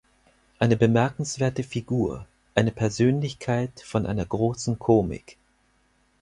Eine bemerkenswerte Figur, eine Persönlichkeit von einer großen Komik.